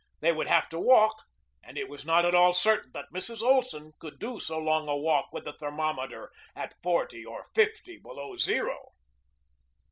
They would have to walk, and it was not at all certain that Mrs. Olson could do so long a walk with the thermometer at forty or fifty below zero.